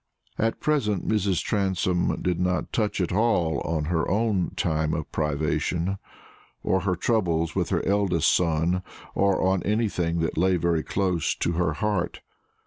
At present Mrs. Transome did not touch at all on her own time of privation, or her troubles with her eldest son, or on anything that lay very close to her heart.